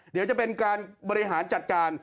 เดี๋ยวจะเป็นการบริหารจัดการ